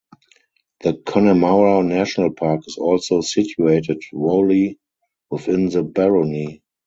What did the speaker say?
The Connemara National Park is also situated wholly within the barony.